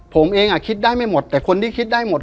ผมเองคิดได้ไม่หมดแต่คนที่คิดได้หมด